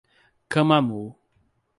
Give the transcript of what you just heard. Camamu